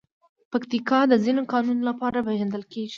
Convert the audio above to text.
پکتیکا د ځینو کانونو لپاره پېژندل کېږي.